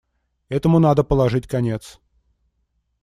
Этому надо положить конец.